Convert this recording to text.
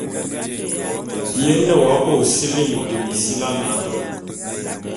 Ye nne w'abo ô sili'i môt minsili ana?